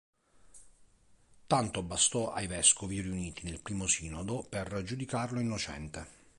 Tanto bastò ai vescovi riuniti nel primo sinodo per giudicarlo innocente.